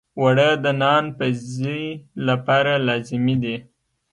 اوړه د نان پزی لپاره لازمي دي